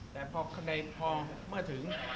แต่พอเมื่อถึง